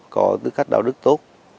có tư cách đạo đức tốt